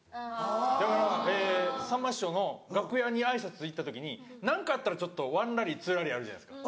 だからえぇさんま師匠の楽屋に挨拶行った時に何かあったらワンラリーツーラリーあるじゃないですか。